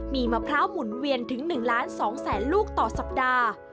มีมะพร้าวหมุนเวียนถึง๑ล้าน๒แสนลูกต่อสัปดาห์